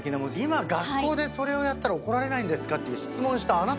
今「学校でそれをやったら怒られないんですか？」っていう。